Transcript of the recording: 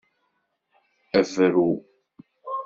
Bru.